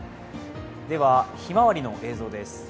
ではひまわりの映像です。